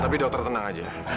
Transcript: tapi dokter tenang aja